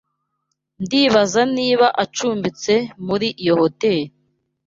Ndibaza niba acumbitse muri iyo hoteri.